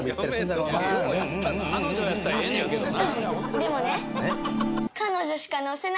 でもね。え？